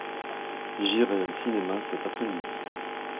J’irai au cinéma cet après-midi.